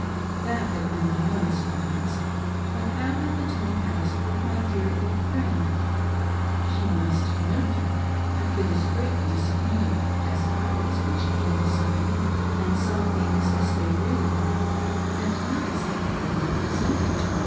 That had been my own ex perience ; but how had the time passed with my dear old friend ? She must, no doubt, have been as greatly disappointed as I was when she came to Zion and saw things as they really were, and not as they bad been represented to us.